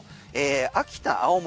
秋田、青森